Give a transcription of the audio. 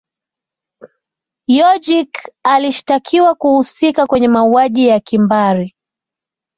jorgic alishitakiwa kuhusika kwenye mauaji ya kimbari